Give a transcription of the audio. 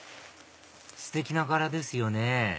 ステキな柄ですよね